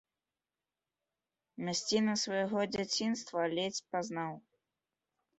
Мясціны свайго дзяцінства ледзь пазнаў.